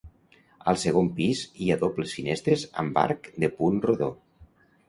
Al segon pis hi ha dobles finestres amb arc de punt rodó.